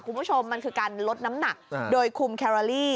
คุณผู้ชมมันคือการลดน้ำหนักโดยคุมแครอรี่